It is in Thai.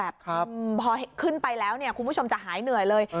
พอขึ้นไปแล้วคุณผู้ชมจะหายเหนื่อยเลย